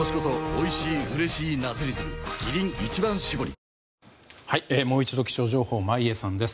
あもう一度気象情報眞家さんです。